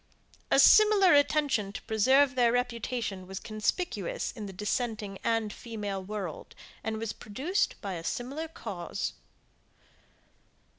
A similar attention to preserve their reputation was conspicuous in the dissenting and female world, and was produced by a similar cause.